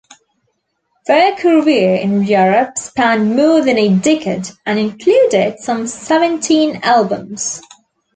Their career in Europe spanned more than a decade and included some seventeen albums.